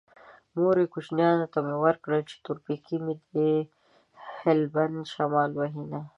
مورې کوچيانو ته مې ورکړه چې تور پېکی مې د هلبند شمال وهينه